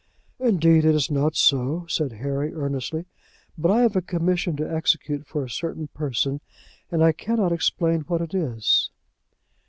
"Indeed, it is not so," said Harry, earnestly; "but I have a commission to execute for a certain person, and I cannot explain what it is."